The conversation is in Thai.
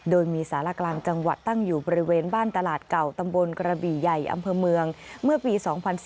โดยมีสารกลางจังหวัดตั้งอยู่บริเวณบ้านตลาดเก่าตำบลกระบี่ใหญ่อำเภอเมืองเมื่อปี๒๔